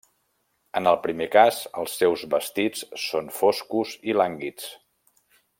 En el primer cas, els seus vestits són foscos i lànguids.